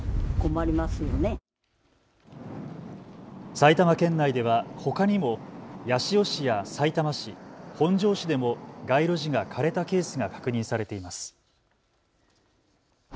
埼玉県内では、ほかにも八潮市やさいたま市、本庄市でも街路樹が枯れたケースが確認されています。